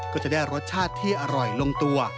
ก็จะได้รสชาติที่อร่อยลงตัว